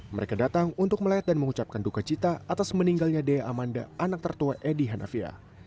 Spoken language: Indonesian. mereka datang untuk melihat dan mengucapkan duka cita atas meninggalnya dea amanda anak tertua edy hanafia